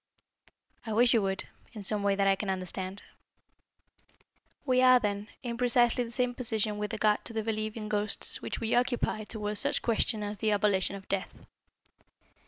"I wish you would, in some way that I can understand." "We are, then, in precisely the same position with regard to the belief in ghosts which we occupy towards such questions as the abolition of death.